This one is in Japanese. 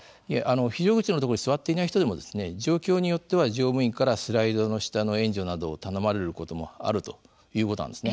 非常口の所に座っていない人でも状況によっては乗務員からスライドの下の援助などを頼まれることもあるということなんですね。